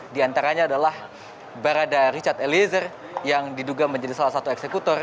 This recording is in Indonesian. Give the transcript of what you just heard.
di antaranya adalah barada richard eliezer yang diduga menjadi salah satu eksekutor